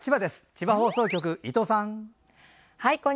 千葉放送局、伊藤さん！